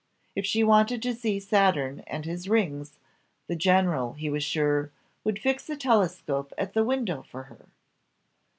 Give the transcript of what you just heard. If she wanted to see Saturn and his rings, the general, he was sure, would fix a telescope at the window for her.